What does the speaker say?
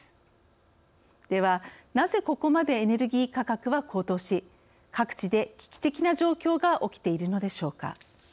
ではなぜここまでエネルギー価格は高騰し各地で危機的な状況が起きているのでしょうか。